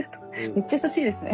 めっちゃ優しいですね。